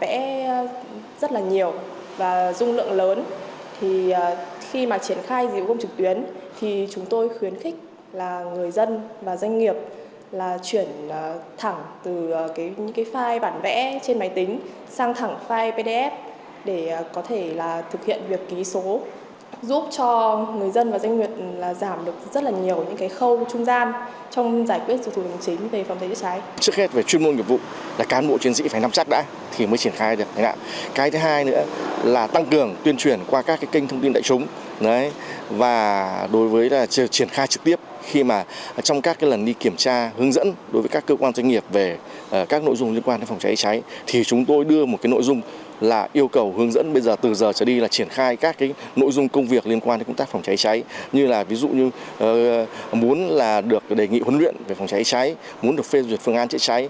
vẽ rất nhiều và dung lượng lớn khi triển khai dịch vụ công trực tuyến chúng tôi khuyến khích người dân và doanh nghiệp chuyển thẳng từ file bản vẽ trên máy tính sang thẳng file pdf để thực hiện việc ký số giúp cho người dân và doanh nghiệp giảm được rất nhiều khâu trung gian trong giải quyết thủ tục hành chính về phòng chữa cháy